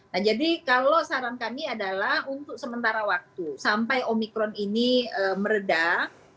nah jadi kalau saran kami adalah untuk sementara waktu sampai omikron ini meredah